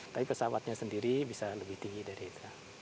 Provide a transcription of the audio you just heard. tapi pesawatnya sendiri bisa lebih tinggi dari itu